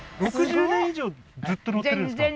６０年以上ずっと乗ってるんですか？